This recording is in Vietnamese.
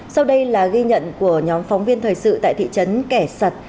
sau đây là ghi nhận của nhóm phóng viên thời sự tại thị trấn kẻ sặt